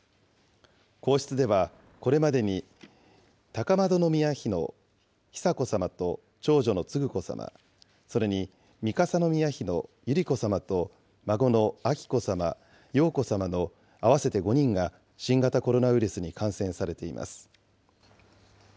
皇室ではこれまでに、高円宮妃の久子さまと長女の承子さま、それに三笠宮妃の百合子さまと孫の彬子さま、瑤子さまの合わせて５人が新型コロナウイルスに感染されています。